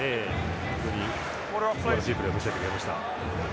本当にすばらしいプレーを見せてくれました。